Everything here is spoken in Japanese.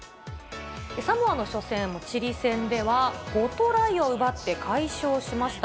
サモアの初戦、チリ戦では、５トライを奪って快勝しました。